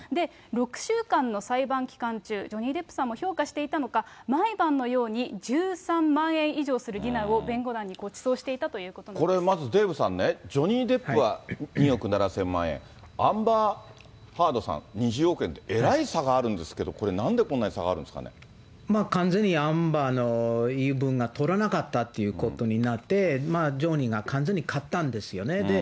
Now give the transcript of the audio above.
６週間の裁判期間中、ジョニー・デップさんも評価していたのか、毎晩のように、１３万円以上するディナーを、弁護団にごちそうしていたというこまずデーブさんね、ジョニー・デップは２億７０００万円、アンバー・ハードさん２０億円って、えらい差があるんですけど、これ、なんでこんなに差があるんですか完全にアンバーの言い分が通らなかったということになって、ジョニーが完全に勝ったんですよね。